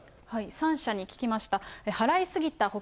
３社に聞きました。